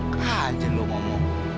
kek aja lu ngomong